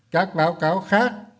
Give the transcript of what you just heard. các báo cáo khác